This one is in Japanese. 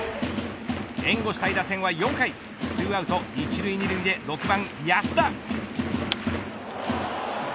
援護したい打線は４回２アウト１塁２塁で６番安田。